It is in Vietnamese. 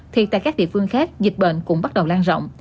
thì tại các địa phương khác dịch bệnh cũng bắt đầu lan rộng